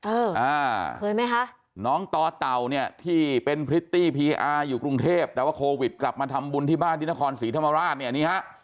อ่าเคยไหมคะน้องต่อเต่าเนี่ยที่เป็นพริตตี้พีอาร์อยู่กรุงเทพแต่ว่าโควิดกลับมาทำบุญที่บ้านที่นครศรีธรรมราชเนี่ยนี่ฮะ